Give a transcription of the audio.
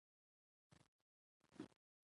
اداره د خلکو د اړتیاوو پر بنسټ کار کوي.